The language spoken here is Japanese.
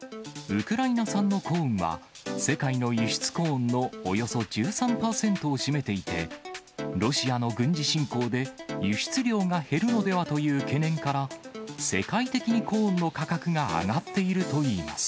ウクライナ産のコーンは、世界の輸出コーンのおよそ１３％を占めていて、ロシアの軍事侵攻で輸出量が減るのではという懸念から、世界的にコーンの価格が上がっているといいます。